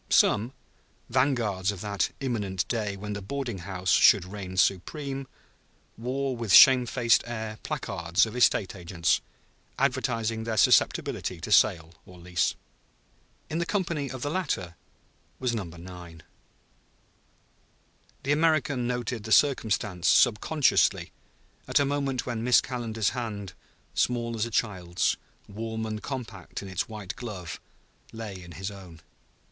Some, vanguards of that imminent day when the boarding house should reign supreme, wore with shamefaced air placards of estate agents, advertising their susceptibility to sale or lease. In the company of the latter was Number 9. The American noted the circumstance subconsciously, at a moment when Miss Calendar's hand, small as a child's, warm and compact in its white glove, lay in his own.